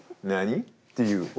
「何？」っていう。